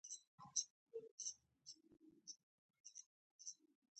زه بايد دوی پوه کړم